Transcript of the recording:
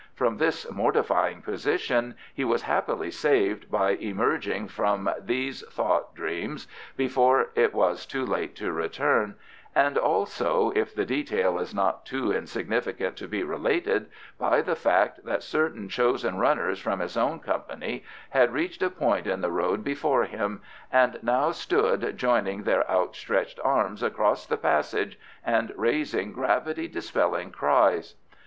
From this mortifying position he was happily saved by emerging from these thought dreams before it was too late to return, and, also, if the detail is not too insignificant to be related, by the fact that certain chosen runners from his own company had reached a point in the road before him, and now stood joining their outstretched arms across the passage and raising gravity dispelling cries.